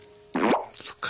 そっか。